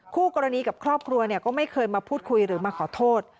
คู่กรณีกับครอบครัวก็ไม่เคยมาพูดคุยหรือมาขอโทษ